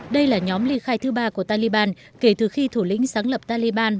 đây là nhóm ly khai thứ ba của taliban